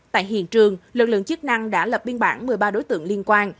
tại hiện trường lực lượng chức năng đã lập biên bản một mươi ba đối tượng liên quan